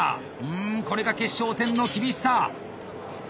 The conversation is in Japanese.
うんこれが決勝戦の厳しさ！